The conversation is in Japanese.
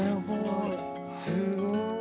すごい。